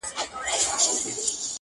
له مړاني څخه خلاص قام د کارګانو-